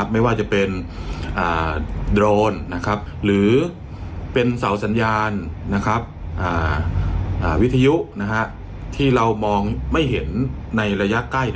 ไม่ว่าจะเป็นโดรนหรือเป็นเสาสัญญาณวิทยุที่เรามองไม่เห็นในระยะใกล้